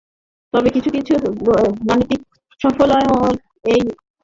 তবে কিছু কিছু গাণিতিক সফটওয়্যার এই প্রকাশের বিপরীত ক্রম সমর্থন করে।